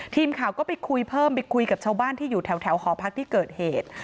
ทีมข่าวก็ไปคุยเพิ่มไปคุยกับชาวบ้านที่อยู่แถวหอพักที่เกิดเหตุ